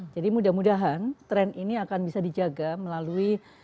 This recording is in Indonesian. jadi mudah mudahan tren ini akan bisa dijaga melalui